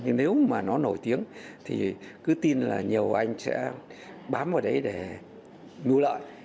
nhưng nếu mà nó nổi tiếng thì cứ tin là nhiều anh sẽ bám vào đấy để nu lợi